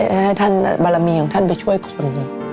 ให้ท่านบารมีของท่านไปช่วยคน